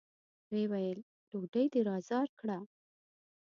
ويې ويل: ډوډۍ دې را زار کړه!